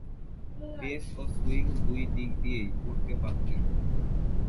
Pace ও swing দুই দিক দিয়েই করতে পারতেন।